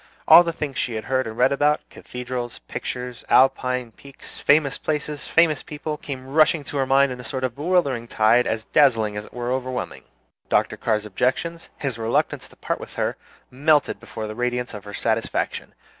All the things she had heard about and read about cathedrals, pictures, Alpine peaks, famous places, famous people came rushing into her mind in a sort of bewildering tide as dazzling as it was overwhelming. Dr. Carr's objections, his reluctance to part with her, melted before the radiance of her satisfaction.